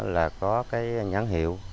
là có cái nhãn hiệu